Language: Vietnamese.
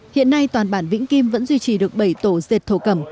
hiện nay toàn bản vĩnh kim vẫn duy trì được bảy tổ dệt thổ cẩm